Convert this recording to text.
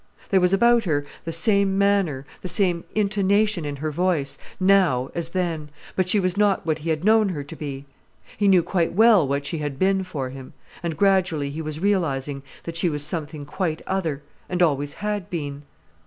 There was about her the same manner, the same intonation in her voice, now as then, but she was not what he had known her to be. He knew quite well what she had been for him. And gradually he was realizing that she was something quite other, and always had been.